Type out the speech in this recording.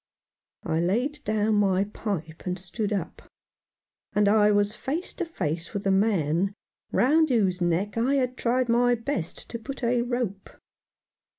I laid down my pipe, and stood up, and I was face to face with the man round whose neck I had tried my best to put a rope.